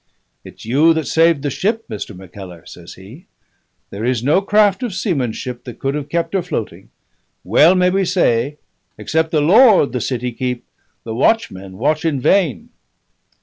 "It's you that saved the ship, Mr. Mackellar," says he. "There is no craft of seamanship that could have kept her floating: well may we say, 'Except the Lord the city keep, the watchmen watch in vain'!"